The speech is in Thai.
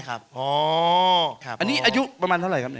อันนี้อายุประมาณเท่าไหร่ครับ